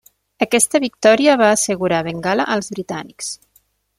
Aquesta victòria va assegurar Bengala als britànics.